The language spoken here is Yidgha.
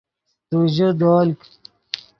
تو ژے دولک